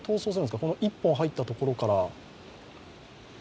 その１本入ったところから。